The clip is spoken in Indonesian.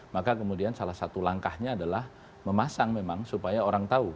maka kemudian salah satu langkahnya adalah memasang memang supaya orang tahu